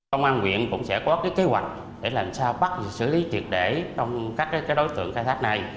công an quyện cũng sẽ có kế hoạch để làm sao bắt xử lý triệt để trong các đối tượng khai thác này